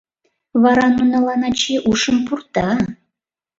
Вара нунылан ачий ушым пурта.